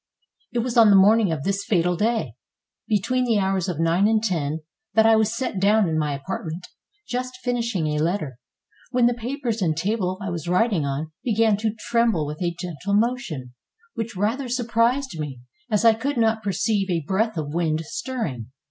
It was on the morning of this fatal day, between the hours of nine and ten, that I was set down in my apart ment, just finishing a letter, when the papers and table I was writing on began to tremble with a gentle motion, which rather surprised me, as I could not perceive a breath of wind stirring.